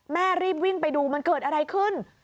รีบวิ่งไปดูมันเกิดอะไรขึ้น